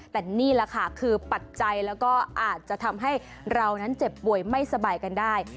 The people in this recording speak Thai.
แต่นี่แหละค่ะคือปัจจัยแล้วก็อาจจะทำให้เรานั้นเจ็บป่วยไม่สบายกันได้